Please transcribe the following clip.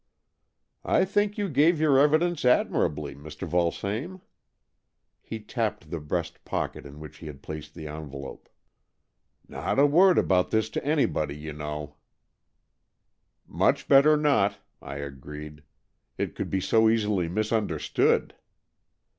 '' I think you gave your evidence admir ably, Mr. Vulsame." He tapped the breast pocket in which he had placed the envelope. ''Not a word about this to anybody, you know." 128 AN EXCHANGE OF SOULS " Much better not/' I agreed. " It could be so easily misunderstood."